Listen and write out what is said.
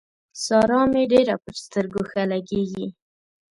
سارا مې ډېره پر سترګو ښه لګېږي.